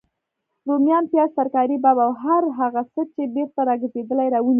روميان، پیاز، ترکاري باب او هر هغه څه چی بیرته راګرځیدلي راونیسئ